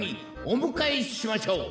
おむかえしましょう。